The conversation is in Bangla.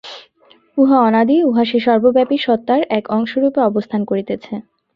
উহা অনাদি, উহা সেই সর্বব্যাপী সত্তার এক অংশরূপে অবস্থান করিতেছে।